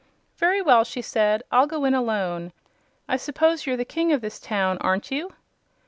"Very well," she said, "I'll go in alone. I s'pose you're the King of this town, aren't you?"